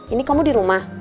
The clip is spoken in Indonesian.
ini kamu di rumah